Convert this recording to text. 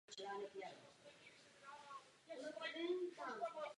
Nicméně svoboda informací a tisku je především záležitostí samotné Itálie.